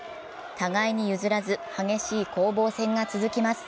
互いに譲らず、激しい攻防戦が続きます。